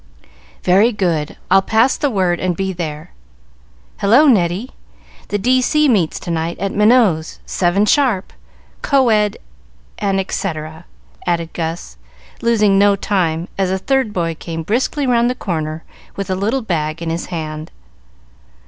"Very good; I'll pass the word and be there. Hullo, Neddy! The D.C. meets to night, at Minot's, seven sharp. Co ed, &c.," added Gus, losing no time, as a third boy came briskly round the corner, with a little bag in his hand.